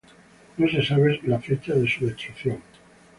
No se sabe la fecha de su destrucción.